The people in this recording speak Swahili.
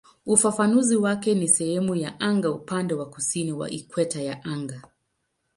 Ufafanuzi wake ni "sehemu ya anga upande wa kusini wa ikweta ya anga".